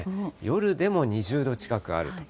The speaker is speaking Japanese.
夜でも２０度近くあると。